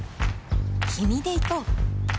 君で行こう